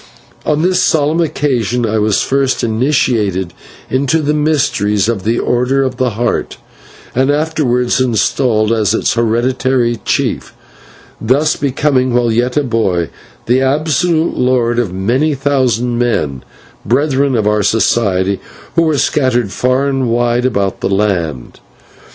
On this solemn occasion I was first initiated into the mysteries of the Order of the Heart, and afterwards installed as its hereditary chief, thus becoming, while yet a boy, the absolute lord of a many thousand men, brethren of our Society, who were scattered far and wide about the land.